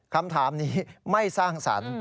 คำถามนี้ไม่สร้างสรรค์